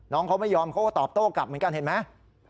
น้องเขาไม่ยอมเขาก็ตอบโต้กลับเหมือนกันเห็นไหม